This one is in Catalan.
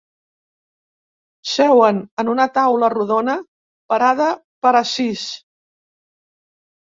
Seuen en una taula rodona, parada per a sis.